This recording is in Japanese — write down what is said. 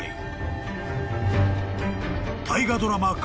［大河ドラマ